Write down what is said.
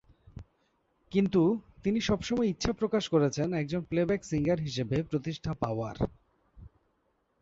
কিন্তু, তিনি সবসময়ই ইচ্ছা প্রকাশ করেছেন একজন প্লে ব্যাক সিঙ্গার হিসাবে প্রতিষ্ঠা পাওয়ার।